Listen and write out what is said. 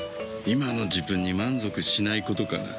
今の自分に満足しないことかな。